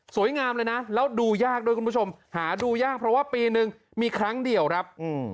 งามเลยนะแล้วดูยากด้วยคุณผู้ชมหาดูยากเพราะว่าปีนึงมีครั้งเดียวครับ